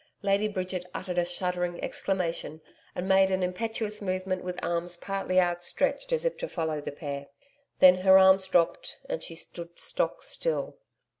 Lady Bridget uttered a shuddering exclamation and made an impetuous movement with arms partly outstretched as if to follow the pair. Then her arms dropped and she stood stock still.